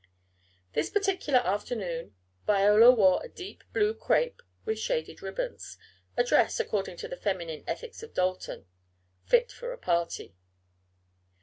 On this particular afternoon Viola wore a deep blue crepe with shaded ribbons, a dress, according to the feminine ethics of Dalton, "fit for a party."